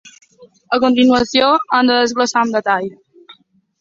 A continuació, hem de desglossar amb detall.